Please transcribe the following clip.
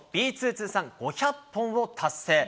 通算５００本を達成。